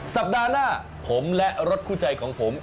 สัปดาห์หน้าผมและรถคู่ใจของผม